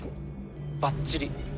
ばっちり。